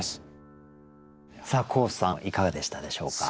黄さんいかがでしたでしょうか？